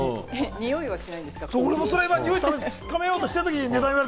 においはしないんですか？